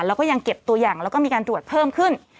แล้วก็ยังเก็บตัวอย่างแล้วก็มีการตรวจเพิ่มขึ้น